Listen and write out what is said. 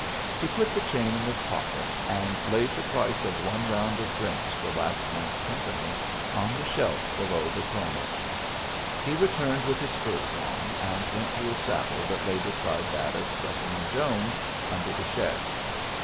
He put the chain in his pocket, and laid the price of one round of drinks for last night's company on the shelf below the chromo. He returned with his spurs on, and went to his saddle that lay beside that of Specimen Jones under the shed.